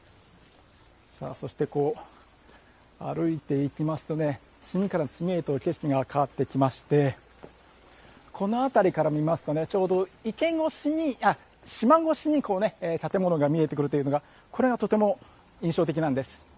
そしてこう、歩いて行きますと次から次へと景色が変わってきましてこのあたりから見ますとちょうど島越しに建物が見えてくるというのがこれがとても印象的なんです。